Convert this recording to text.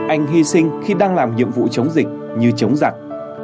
anh hy sinh khi đang làm nhiệm vụ chống dịch như chống giặc